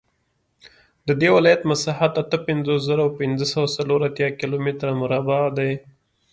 د دې ولایت مساحت اته پنځوس زره پنځه سوه څلور اتیا کیلومتره مربع دی